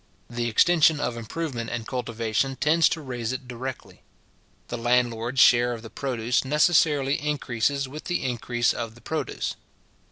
The extension of improvement and cultivation tends to raise it directly. The landlord's share of the produce necessarily increases with the increase of the produce.